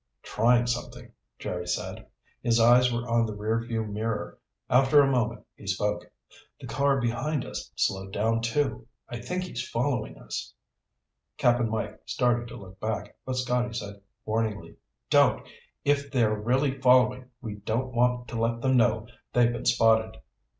"Trying something," Jerry said. His eyes were on the rearview mirror. After a moment he spoke. "The car behind us slowed down, too. I think he's following us." Cap'n Mike started to look back, but Scotty said warningly, "Don't! If they're really following, we don't want to let them know they've been spotted."